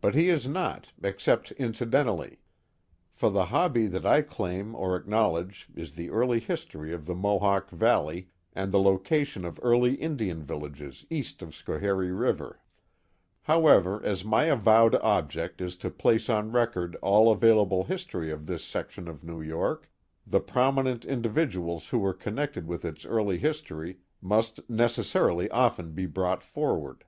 But he is not, except incidentally; for the hobby that I claim or acknowledge is the early history of the Mohawk Valley and the location of early Indian villages east of Scho harie River. However, as my avowed object is to place on record all available history of this section of New York, the prominent individuals who were connected with its early his tory must necessarily often be brought forward.